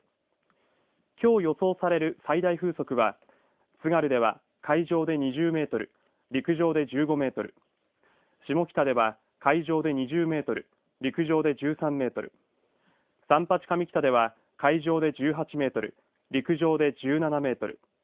きょう、予想される最大風速は津軽では海上で２０メートル陸上で１５メートル下北では、海上で２０メートル陸上で１３メートル三八上北では海上で１８メートル陸上で１７メートル